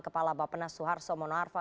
kepala bapak penas soeharto mono arfa